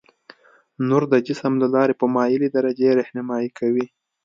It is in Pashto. نور د جسم له لارې په مایلې درجې رهنمایي کوي.